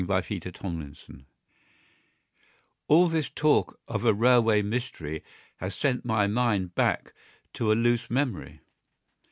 The Secret of a Train All this talk of a railway mystery has sent my mind back to a loose memory.